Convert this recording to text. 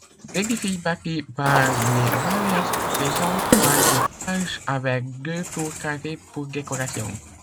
L'édifice bâti par les Vallaise présente trois étages avec deux tours carrées pour décoration.